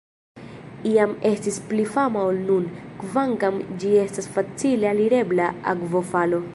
Iam estis pli fama ol nun, kvankam ĝi estas facile alirebla akvofalo.